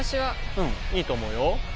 うんいいと思うよ。